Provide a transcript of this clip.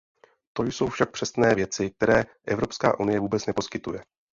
To jsou však přesně věci, které Evropská unie vůbec neposkytuje.